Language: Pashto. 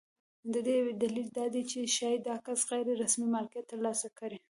د دې دلیل دا دی چې ښایي دا کس غیر رسمي مالکیت ترلاسه کړي.